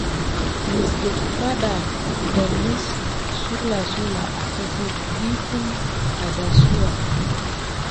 Məsget fraɗa en məs met suwlasuwla akoko vigue kum edawuza ba.